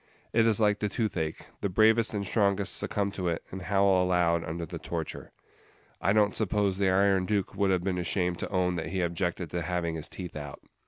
It is like the toothache; the bravest and strongest succumb to it, and howl aloud under the torture. I don't suppose the Iron Duke would have been ashamed to own that he objected to having his teeth out.